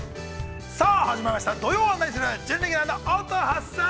さあ始まりました「土曜はナニする！？」、準レギュラーの乙葉さん。